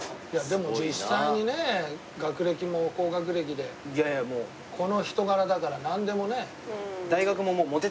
でも実際にね学歴も高学歴でこの人柄だからなんでもね。えっ！？